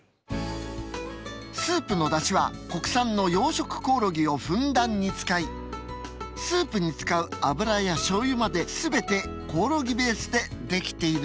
スープの出汁は国産の養殖コオロギをふんだんに使いスープに使う油やしょうゆまで全てコオロギベースで出来ているんです。